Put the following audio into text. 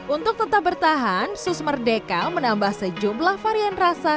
untuk tetap bertahan sus merdeka menambah sejumlah varian rasa